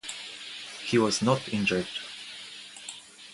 He was not injured.